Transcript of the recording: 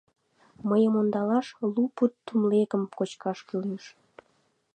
Мыйым ондалаш лу пуд тумлегым кочкаш кӱлеш.